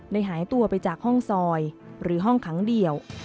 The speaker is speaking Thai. หายตัวไปจากห้องซอยหรือห้องขังเดียว